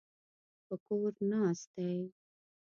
په کور ناست دی.